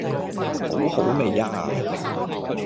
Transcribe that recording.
好好味呀